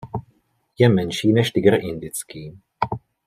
Je menší než tygr indický.